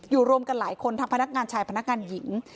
รวมกันหลายคนทั้งพนักงานชายพนักงานหญิง